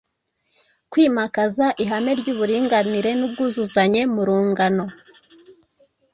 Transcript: Kwimakaza ihame ry’uburinganire n’ubwuzuzanye mu rungano.